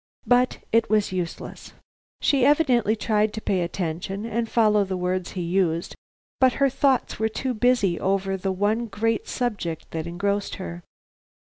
But it was useless. She evidently tried to pay attention and follow the words he used, but her thoughts were too busy over the one great subject that engrossed her.